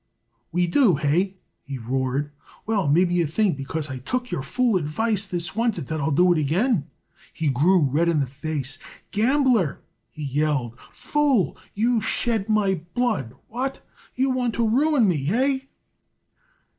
"We do, hey?" he roared. "Well, maybe you think because I took your fool advice this oncet that I'll do it again?" He grew red in the face. "Gambler!" he yelled. "Fool! You shed my blood! What? You want to ruin me! Hey?"